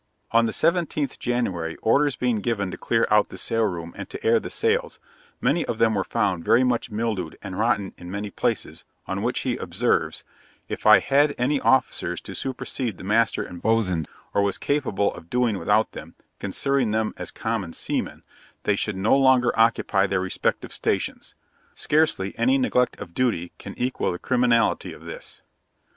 On the 17th January, orders being given to clear out the sail room and to air the sails, many of them were found very much mildewed and rotten in many places, on which he observes, 'If I had any officers to supersede the master and boatswain, or was capable of doing without them, considering them as common seamen, they should no longer occupy their respective stations; scarcely any neglect of duty can equal the criminality of this.'